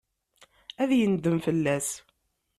Ad yendem fell-as.